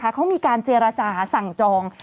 เขามีการเจรจาสั่งจอง